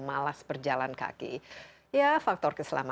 di mana kan dirumahkan bahwa perjalan kaki adalah hal yang harus diselamatkan